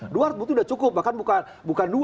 dua alat bukti sudah cukup bahkan bukan dua